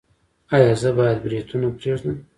ایا زه باید بروتونه پریږدم؟